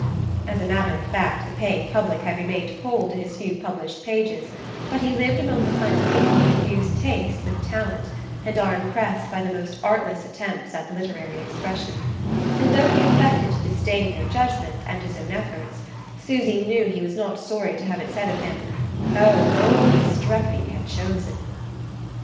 As a matter of fact, the paying public had remained cold to his few published pages; but he lived among the kind of people who confuse taste with talent, and are impressed by the most artless attempts at literary expression; and though he affected to disdain their judgment, and his own efforts, Susy knew he was not sorry to have it said of him: "Oh, if only Streffy had chosen